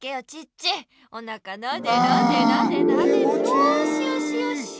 よしよしよし。